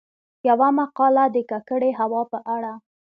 يومـقاله د کـکړې هـوا په اړه :